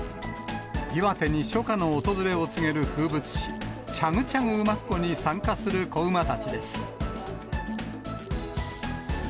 岩手に初夏の訪れを告げる風物詩、チャグチャグ馬コに参加する子馬たちです。